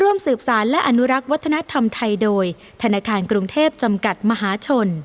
ร่วมสืบสารและอนุรักษ์วัฒนธรรมไทยโดยธนาคารกรุงเทพจำกัดมหาชน